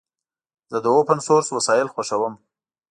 زه د اوپن سورس وسایل خوښوم.